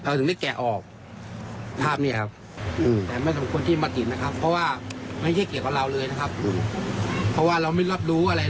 เราถึงได้แกะออกภาพนี้ครับ